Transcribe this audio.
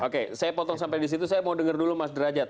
oke saya potong sampai di situ saya mau dengar dulu mas derajat